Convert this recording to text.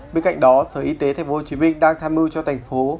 bên cạnh đó sở y tế tp hcm đang tham mưu cho thành phố